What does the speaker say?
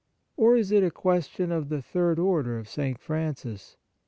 Or is it a question of the Third Order of St. Francis?